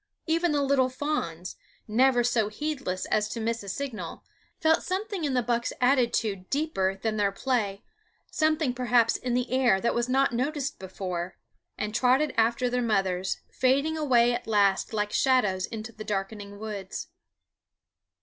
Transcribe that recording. Even the little fawns, never so heedless as to miss a signal, felt something in the buck's attitude deeper than their play, something perhaps in the air that was not noticed before, and trotted after their mothers, fading away at last like shadows into the darkening woods.